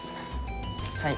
はい。